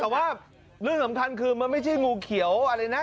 แต่ว่าเรื่องสำคัญคือมันไม่ใช่งูเขียวอะไรนะ